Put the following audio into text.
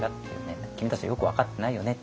「君たちよく分かってないよね」